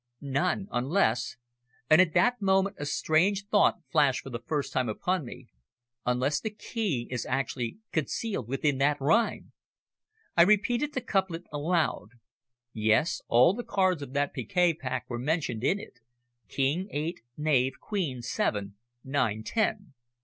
"None unless," and at that moment a strange thought flashed for the first time upon me, "unless the key is actually concealed within that rhyme!" I repeated the couplet aloud. Yes, all the cards of that piquet pack were mentioned in it king, eight, knave, queen, seven, nine, ten!